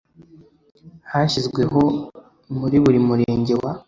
Hashyizweho muri buri Murenge wa